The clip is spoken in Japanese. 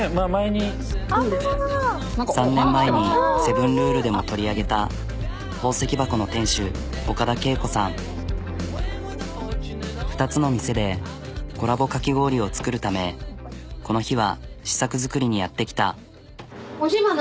３年前に「セブンルール」でも取り上げたほうせき箱の店主岡田桂子さん。２つの店でコラボかき氷を作るためこの日は試作作りにやって来た。